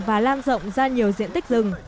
và lan rộng ra nhiều diện tích rừng